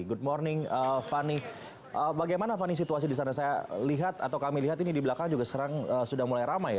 good morning fani bagaimana fani situasi di sana saya lihat atau kami lihat ini di belakang juga sekarang sudah mulai ramai